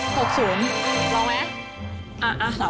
ลองไหม